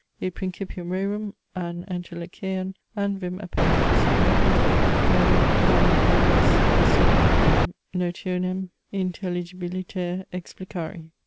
Id principium rerum, an entelecheian an vim appellemus, non refert, modo meminerimus, per solam Virium notionem intelligibiliter explicari."